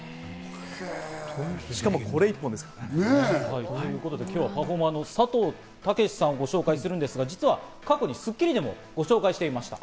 しかもこれ１本ですからね。ということで今日はパフォーマーのさとうたけしさんをご紹介するんですが過去に『スッキリ』でもご紹介していました。